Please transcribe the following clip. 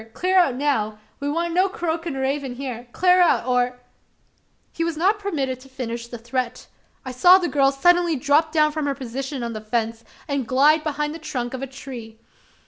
Clar out now! We want no croakin' raven hyar. Clar out! or " He was not permitted to finish the threat. I saw the girl suddenly drop down from her position on the fence, and glide behind the trunk of a tree.